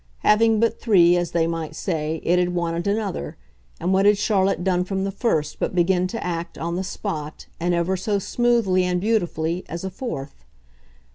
Having but three, as they might say, it had wanted another, and what had Charlotte done from the first but begin to act, on the spot, and ever so smoothly and beautifully, as a fourth?